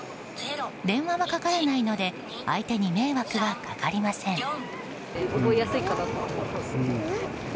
電話はかからないので相手に迷惑は掛かりません。